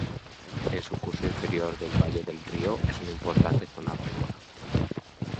En su curso inferior del valle del río es una importante zona agrícola.